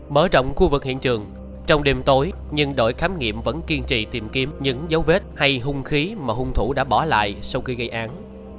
mở rộng khu vực hiện trường trong đêm tối nhưng đội khám nghiệm vẫn kiên trì tìm kiếm những dấu vết hay hung khí mà hung thủ đã bỏ lại sau khi gây án